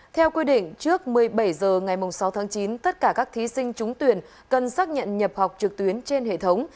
theo quy định trước một mươi bảy h ngày sáu tháng chín tất cả các thí sinh trúng tuyển cần xác nhận nhập học trực tuyến trên hệ thống